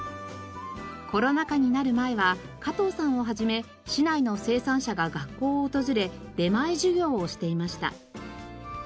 コロナ禍になる前は加藤さんを始め市内の生産者が学校を訪れ出前授業をしていました。